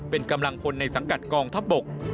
เป็นกำลังพลในสังกัดกองทัพบก